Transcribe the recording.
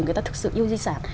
người ta thực sự yêu di sản